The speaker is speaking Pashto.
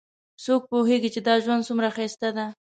څوک پوهیږي چې دا ژوند څومره ښایسته ده